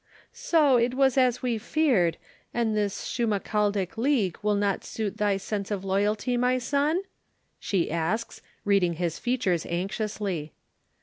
"So it was as we feared, and this Schmalkaldic League did not suit thy sense of loyalty, my son?" she asks, reading his features anxiously.